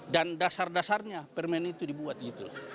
dan dasar dasarnya permen itu dibuat gitu